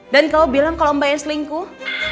dan kamu bilang kalau mbak yang selingkuh